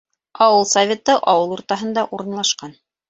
Ауыл Советы ауыл уртаһында урынлашҡан.